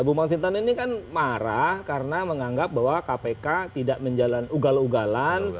bu mas hinton ini kan marah karena menganggap bahwa kpk tidak menjalani ugal ugalan